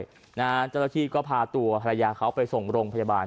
เจ้าหน้าที่ก็พาตัวภรรยาเขาไปส่งโรงพยาบาล